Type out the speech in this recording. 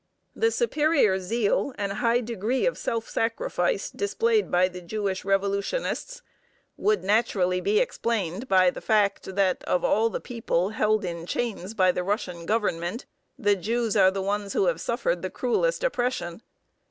The superior zeal and high degree of self sacrifice displayed by the Jewish revolutionists would naturally be explained by the fact that, of all the peoples held in chains by the Russian Government, the Jews are the ones who have suffered the cruelest oppression.